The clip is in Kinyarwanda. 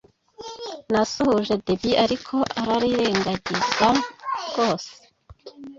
Nasuhuje Debby ariko arairengagiza rwose.